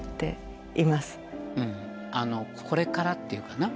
これからっていうかな。